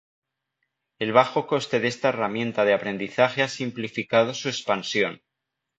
El bajo coste de esta herramienta de aprendizaje ha simplificado su expansión.